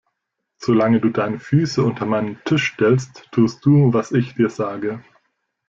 Solange du deine Füße unter meine Tisch stellst, tust du, was ich dir sage!